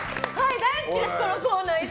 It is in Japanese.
大好きです、このコーナー。